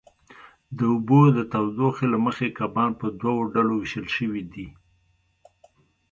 د اوبو د تودوخې له مخې کبان په دوو ډلو وېشل شوي دي.